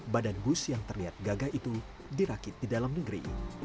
badan bus yang terlihat gagah itu dirakit di dalam negeri